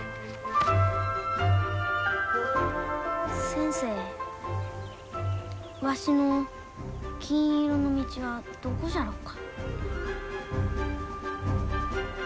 先生わしの金色の道はどこじゃろうか？